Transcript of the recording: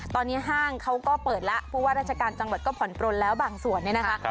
ตอนนี้ห้างเขาก็เปิดแล้วผู้ว่าราชการจังหวัดก็ผ่อนปลนแล้วบางส่วนเนี่ยนะคะ